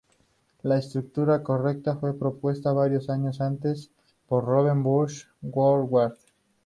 La estructura correcta fue propuesta varios años antes por Robert Burns Woodward.